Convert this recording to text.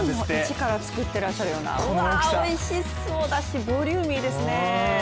一から作ってそうだしうわ、おいしそうだしボリューミーですね。